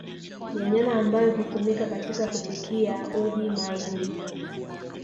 ya nyama ambayo hutumika katika kupikia uji mahindi